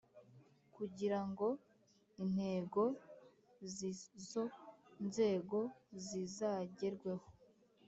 kugirango intego z'izo nzego zizagerweho.